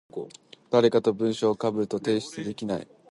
誰かと文章被ると提出できないらしい。